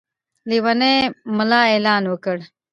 لېونی ملا اعلان وکړ.